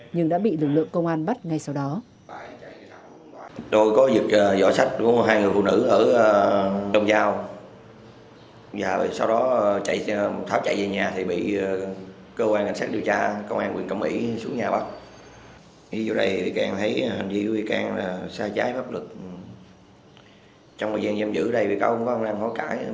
nhưng đã bị lực lượng công an bắt ngay sau đó